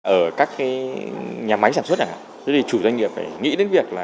ở các nhà máy sản xuất này chủ doanh nghiệp phải nghĩ đến việc